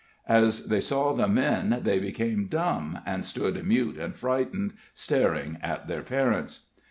As they saw the men they became dumb, and stood mute and frightened, staring at their parents.